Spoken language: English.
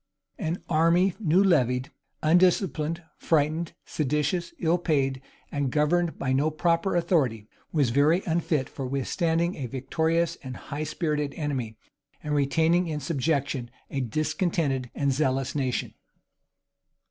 iii. p 1199. An army new levied, undisciplined, frightened, seditious, ill paid, and governed by no proper authority, was very unfit for withstanding a victorious and high spirited enemy, and retaining in subjection a discontented and zealous nation.